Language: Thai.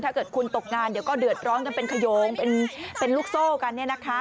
ถ้าเกิดคุณตกงานเดี๋ยวก็เดือดร้อนกันเป็นขยงเป็นลูกโซ่กัน